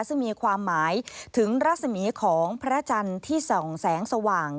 ซึ่งมีความหมายถึงรัศมีของพระจันทร์ที่ส่องแสงสว่าง